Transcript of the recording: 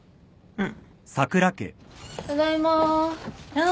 うん。